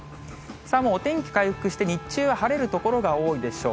もうお天気回復して、日中は晴れる所が多いでしょう。